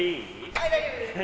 はい大丈夫です。